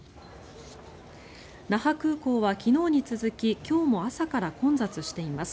那覇空港は昨日に続き今日も朝から混雑しています。